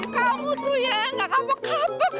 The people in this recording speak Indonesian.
kamu tuh ya gak kapok kapok